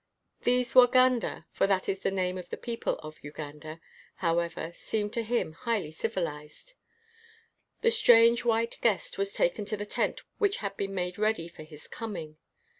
These Waganda (for that is the name of the peo ple of Uganda), however, seemed to him highly civilized. The strange white guest was taken to the tent which had been made ready for his coming.